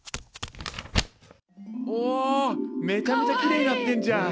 おめちゃめちゃキレイになってんじゃん。